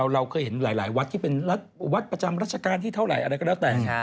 เราเคยเห็นหลายวัดที่เป็นวัดประจำรัชกาลที่เท่าไหร่อะไรก็แล้วแต่